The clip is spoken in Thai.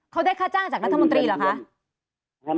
เขาได้ค่าจ้างจากรัฐมนตรีเหรอคะ